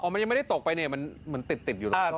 อ๋อมันยังไม่ได้ตกไปเนี่ยมันมันติดติดอยู่แล้วอ่า